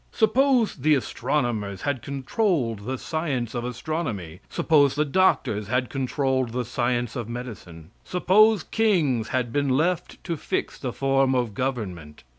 Suppose the astronomers had controlled the science of astronomy; suppose the doctors had controlled the science of medicine; suppose kings had been left to fix the form of government!